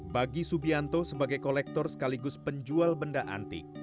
bagi subianto sebagai kolektor sekaligus penjual benda antik